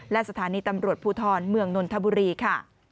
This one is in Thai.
และสถานีตำรวจภูทรเมืองนนทบุรีค่ะ